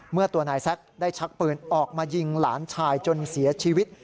ตัวนายแซ็กได้ชักปืนออกมายิงหลานชายจนเสียชีวิต